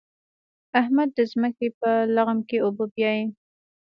احمد د ځمکې په لغم کې اوبه بيايي.